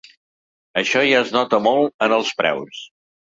Això ja es nota molt en els preus.